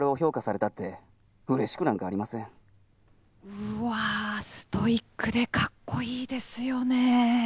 うわストイックでかっこいいですよね。